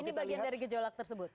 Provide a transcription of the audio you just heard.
ini bagian dari gejolak tersebut